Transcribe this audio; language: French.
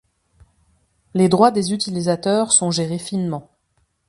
Les droits des utilisateurs sont gérés finement.